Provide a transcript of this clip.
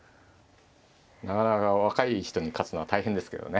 なかなか若い人に勝つのは大変ですけどね。